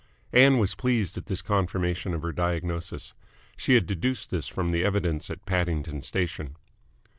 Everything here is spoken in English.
Ann was pleased at this confirmation of her diagnosis. She had deduced this from the evidence at Paddington Station.